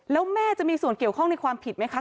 แล้วแม่จะมีส่วนเกี่ยวข้องในความผิดไหมคะ